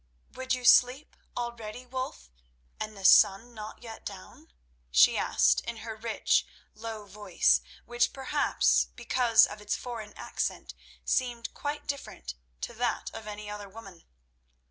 "Would you sleep already, Wulf, and the sun not yet down?" she asked in her rich, low voice, which, perhaps because of its foreign accent, seemed quite different to that of any other woman.